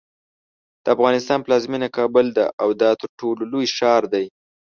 د افغانستان پلازمینه کابل ده او دا ترټولو لوی ښار دی.